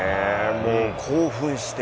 もう興奮して。